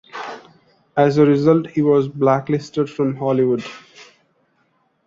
As a result, he was blacklisted from Hollywood.